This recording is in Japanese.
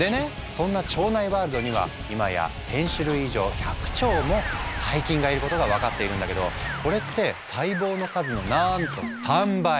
そんな腸内ワールドにはいまやも細菌がいることが分かっているんだけどこれって細胞の数のなんと３倍！